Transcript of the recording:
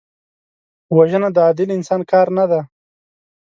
وژنه د عادل انسان کار نه دی